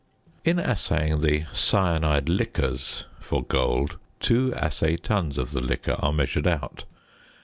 In assaying the "cyanide liquors" for gold, 2 assay tons of the liquor are measured out (58.